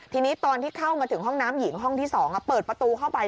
ทีนี้ตอนที่เข้ามาถึงห้องน้ำหญิงห้องที่๒เปิดประตูเข้าไป